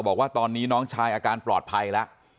บอกว่าตอนนี้น้องชายอาการปลอดภัยแล้ว